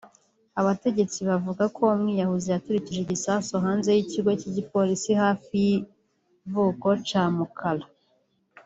Abategetsi bavuuga ko umwiyahuzi yaturikije ibisasu hanze y'ikigo c'igipolisi hafi y' ikivuko ca Mukalla